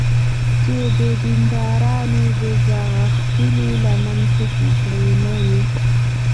چې دیندارانو د ځانغوښتنې لمن خوشې کړې نه وي.